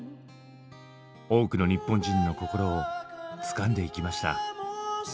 多くの日本人の心をつかんでいきました。